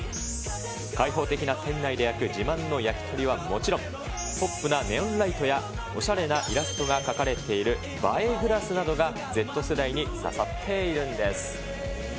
開放的な店内で焼く自慢の焼き鳥はもちろん、ポップなネオンライトやおしゃれなイラストが描かれている、映えグラスなどが、Ｚ世代に刺さっているんです。